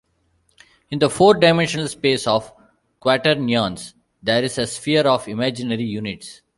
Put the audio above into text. In the four-dimensional space of quaternions, there is a sphere of imaginary units.